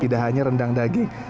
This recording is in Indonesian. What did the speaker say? tidak hanya rendang daging